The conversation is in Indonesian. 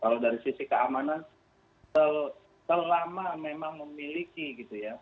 kalau dari sisi keamanan selama memang memiliki gitu ya